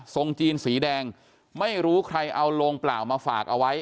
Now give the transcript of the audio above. จีนสีแดงไม่รู้ใครเอาโลงเปล่ามาฝากเอาไว้